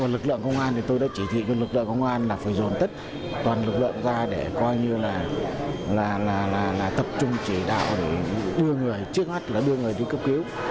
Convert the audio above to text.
lực lượng công an tôi đã chỉ thị với lực lượng công an là phải dồn tất toàn lực lượng ra để coi như là tập trung chỉ đạo để đưa người trước mắt là đưa người đi cấp cứu